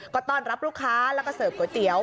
ก็ต้อนรับลูกค้าแล้วก็เสิร์ฟก๋วยเตี๋ยว